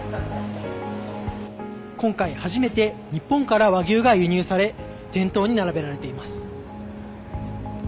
今回、初めて日本から和牛が輸入され店頭に並べられています。